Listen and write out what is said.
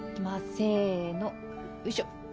せのよいしょ。